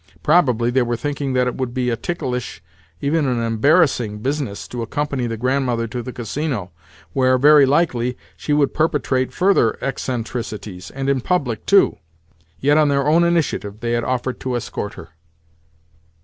Probably they were thinking that it would be a ticklish—even an embarrassing—business to accompany the Grandmother to the Casino, where, very likely, she would perpetrate further eccentricities, and in public too! Yet on their own initiative they had offered to escort her!